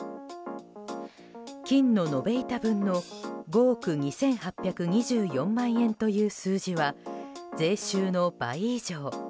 金の延べ板分の５億２８２４万円という数字は税収の倍以上。